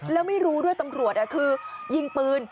แล้วไม่รู้ด้วยตำรวจคือยิงปืน